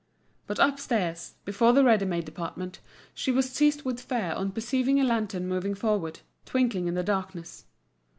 But upstairs, before the ready made department, she was seized with fear on perceiving a lantern moving forward, twinkling in the darkness.